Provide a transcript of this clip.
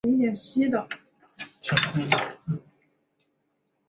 笏形蕈珊瑚为蕈珊瑚科蕈珊瑚属下的一个种。